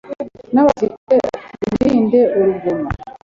n'abasirikare ati mwirinde urugomo